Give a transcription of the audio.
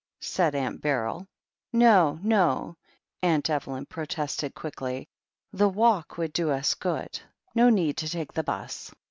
said Aunt Beryl. "No, no," Aunt Evelyn protested quickly. "The walk would do us good. No need to take the 'bus."